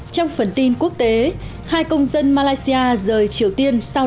trong phần tin quốc tế hai công dân malaysia rời triều tiên sau lệnh cấm xuất cảnh